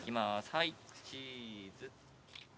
はいチーズ。